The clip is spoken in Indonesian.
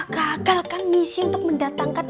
gagal kan misi untuk mendatangkan